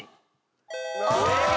正解！